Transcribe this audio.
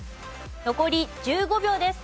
残り１５秒です。